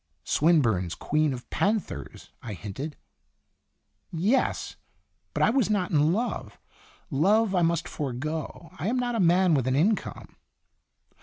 " Swinburne's queen of panthers/' I hinted. " Yes. But I was not in love. Love I must forego. I am not a man with an income."